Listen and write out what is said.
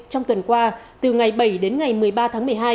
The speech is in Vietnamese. trong tuần qua từ ngày bảy đến ngày một mươi ba tháng một mươi hai